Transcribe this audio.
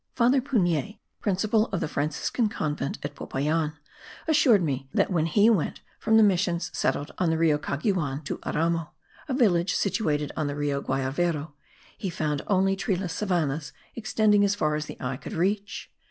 Father Pugnet, Principal of the Franciscan convent at Popayan, assured me, that when he went from the missions settled on the Rio Caguan to Aramo, a village situated on the Rio Guayavero, he found only treeless savannahs, extending as far as the eye could reach.